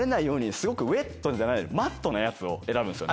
すごくウエットじゃないマットなやつを選ぶんですよ。